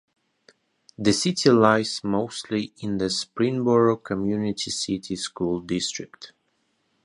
The city lies mostly in the Springboro Community City School District.